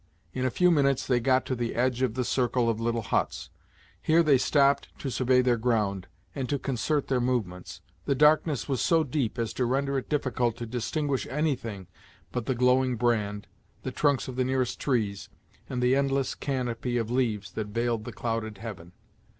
In a few minutes they got to the edge of the circle of little huts. Here they stopped to survey their ground, and to concert their movements. The darkness was so deep as to render it difficult to distinguish anything but the glowing brand, the trunks of the nearest trees, and the endless canopy of leaves that veiled the clouded heaven.